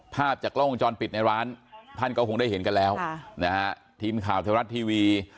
ภาพจากกล้องวงจรปิดในร้านท่านก็คงได้เห็นกันแล้วทีมข่าวไทยรัฐทีวี